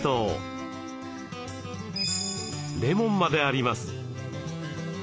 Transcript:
レモンまであります。